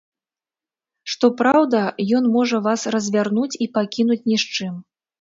Што праўда, ён можа вас развярнуць і пакінуць ні з чым.